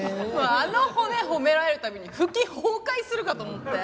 あの骨褒められる度に腹筋崩壊するかと思ったよ。